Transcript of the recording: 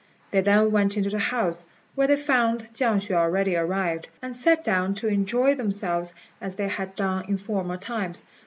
They then went into the house, where they found Chiang hsüeh already arrived, and sat down to enjoy themselves as they had done in former times.